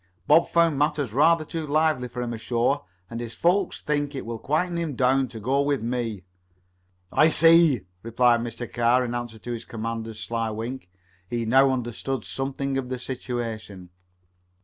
"Bob found matters rather too lively for him ashore, and his folks think it will quiet him down to go with me." "I see," replied Mr. Carr in answer to his commander's sly wink. He now understood something of the situation.